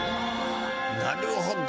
なるほど。